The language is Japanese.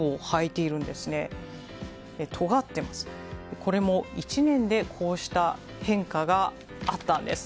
これも１年でこうした変化があったんです。